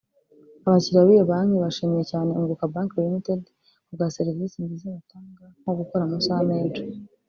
Abakiriya biyo banki bashimiye cyane Unguka Bank Ltd ku bwa serivisi nziza batanga nko gukora amasaha menshi